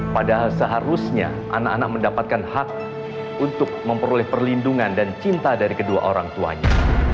padahal seharusnya anak anak mendapatkan hak untuk memperoleh perlindungan dan cinta dari kedua orang tuanya